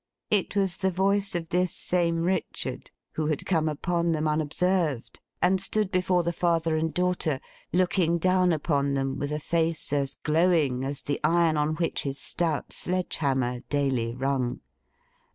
It was the voice of this same Richard, who had come upon them unobserved, and stood before the father and daughter; looking down upon them with a face as glowing as the iron on which his stout sledge hammer daily rung.